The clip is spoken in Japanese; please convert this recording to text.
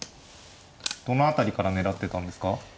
どの辺りから狙ってたんですか。